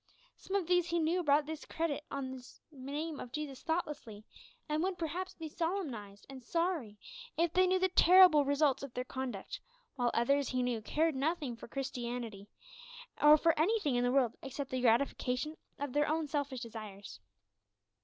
Some of these, he knew, brought this discredit on the name of Jesus thoughtlessly, and would, perhaps, be solemnised and sorry if they knew the terrible results of their conduct; while others, he also knew, cared nothing for Christianity, or for anything in the world except the gratification of their own selfish desires.